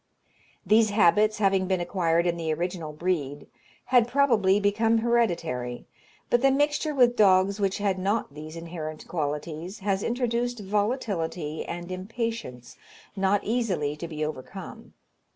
These habits, having been acquired in the original breed, had probably become hereditary; but the mixture with dogs which had not these inherent qualities, has introduced volatility and impatience not easily to be overcome.